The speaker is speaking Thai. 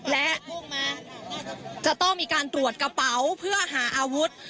และจะต้องมีการตรวจกระเป๋าเพื่อหาอาวุธ